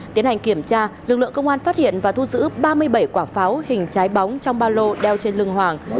tiến hành kiểm tra lực lượng công an phát hiện và thu giữ ba mươi bảy quả pháo hình trái bóng trong ba lô đeo trên lưng hoàng